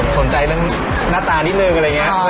สนใจเรื่องหน้าตานิดนึงเฮีย